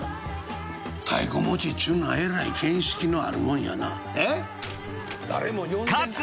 太鼓持ちっちゅうのはえらい見識のあるもんやな。ええ？」。